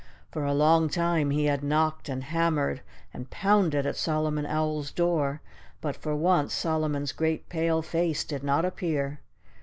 For a long time he had knocked and hammered and pounded at Solomon Owl's door. But for once Solomon's great pale face did not appear.